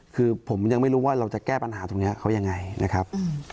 คือผมยังไม่รู้ว่าเราจะแก้ปัญหาตรงนี้เขายังไงนะครับ